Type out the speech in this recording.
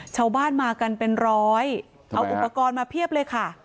ชาวบ้านมากันเป็นร้อยเอาอุปกรณ์มาเพียบเลยค่ะ